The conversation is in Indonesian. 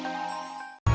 jangan won jangan